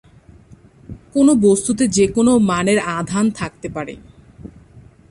কোনো বস্তুতে যে কোনো মানের আধান থাকতে পারে না।